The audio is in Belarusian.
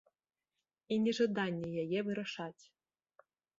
І нежаданне яе вырашаць.